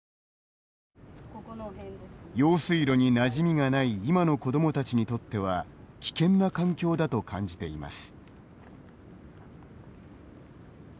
用水路になじみがない今の子どもたちにとっては危険な環境だと感じています。